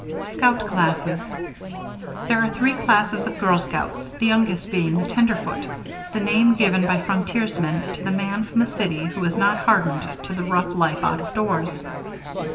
Scout classes. There are three classes of girl scouts, the youngest being the "Tenderfoot," the name given by frontiersmen to the man from the city who is not hardened to the rough life out of doors.